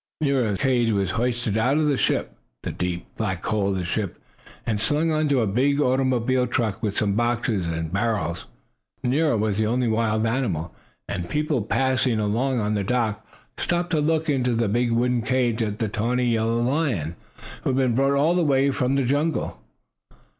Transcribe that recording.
Nero's cage was hoisted out of the hold, the deep, black hold of the ship, and slung on a big automobile truck with some boxes and barrels. Nero was the only wild animal, and people passing along on the dock stopped to look into the big wooden cage at the tawny yellow lion who had been brought all the way from the jungle.